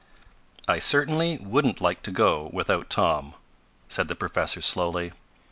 "I certainly wouldn't like to go without Tom," said the professor slowly.